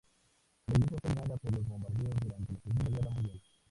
La iglesia fue dañada por los bombardeos durante la Segunda Guerra Mundial.